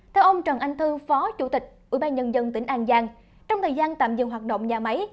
theo ông trần anh thư phó chủ tịch ubnd tỉnh an giang trong thời gian tạm dừng hoạt động nhà máy